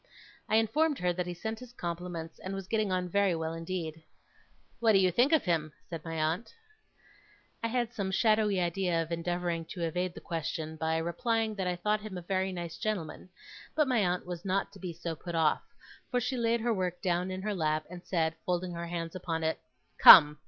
I informed her that he sent his compliments, and was getting on very well indeed. 'What do you think of him?' said my aunt. I had some shadowy idea of endeavouring to evade the question, by replying that I thought him a very nice gentleman; but my aunt was not to be so put off, for she laid her work down in her lap, and said, folding her hands upon it: 'Come!